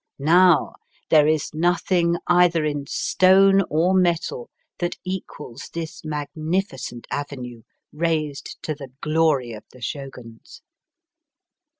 Now, there is nothing either in stone or metal that equals this magnificent avenue raised to the glory of the Shoguns.